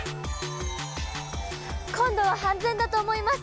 今度は安全だと思います！